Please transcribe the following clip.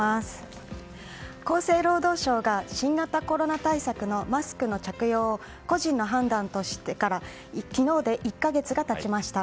厚生労働省が新型コロナ対策のマスクの着用を個人の判断としてから昨日で１か月が経ちました。